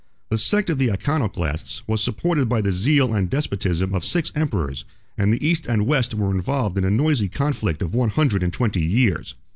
The sect of the Iconoclasts was supported by the zeal and despotism of six emperors, and the East and West were involved in a noisy conflict of one hundred and twenty years.